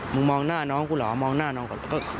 มองหน้าน้องกูเหรอมองหน้าน้องก่อน